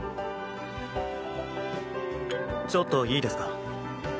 ちょっといいですか？